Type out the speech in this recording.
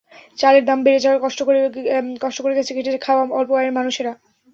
চালের দাম বেড়ে যাওয়ায় কষ্ট বেড়ে গেছে খেটে খাওয়া স্বল্প আয়ের মানুষের।